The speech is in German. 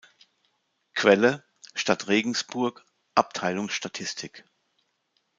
Quelle: Stadt Regensburg, Abteilung Statistik